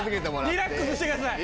リラックスしてください。